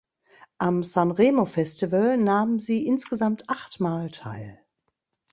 Am Sanremo-Festival nahm sie insgesamt achtmal teil.